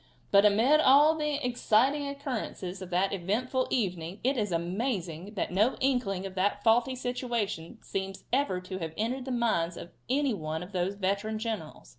But amid all the exciting occurrences of that eventful evening it is amazing that no inkling of that faulty situation seems ever to have entered the mind of any one of those veteran generals.